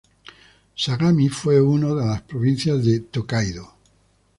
Sagami fue una de las provincias de Tōkaidō.